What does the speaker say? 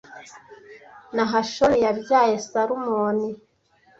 Nahashoni yabyaye Salumoni,